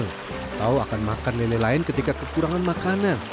atau akan makan lele lain ketika kekurangan makanan